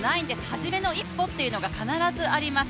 初めの一歩というのが必ずあります。